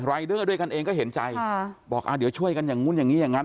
เดอร์ด้วยกันเองก็เห็นใจบอกอ่าเดี๋ยวช่วยกันอย่างนู้นอย่างนี้อย่างนั้น